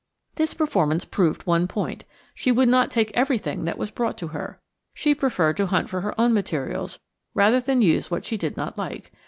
This performance proved one point. She would not take everything that was brought to her. She preferred to hunt for her own materials rather than use what she did not like.